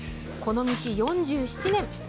この道４７年。